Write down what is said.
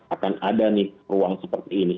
akan ada nih ruang seperti ini